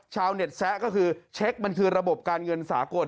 ชาวเน็ตแซะก็คือเช็คมันคือระบบการเงินสากล